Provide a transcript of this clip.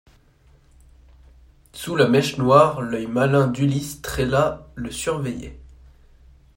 Sous la mèche noire, l'œil malin d'Ulysse Trélat le surveillait.